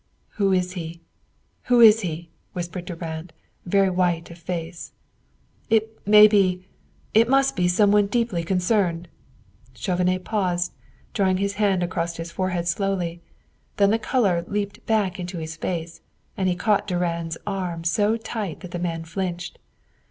"Who is he? Who is he?" whispered Durand, very white of face. "It may be it must be some one deeply concerned." Chauvenet paused, drawing his hand across his forehead slowly; then the color leaped back into his face, and he caught Durand's arm so tight that the man flinched.